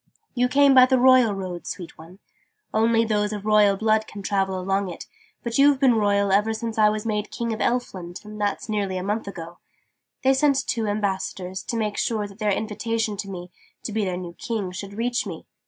"You came by the Royal Road, sweet one. Only those of royal blood can travel along it: but you've been royal ever since I was made King of Elfland that's nearly a month ago. They sent two ambassadors, to make sure that their invitation to me, to be their new King, should reach me.